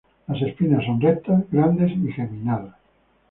Las espinas son rectas, grandes y geminadas.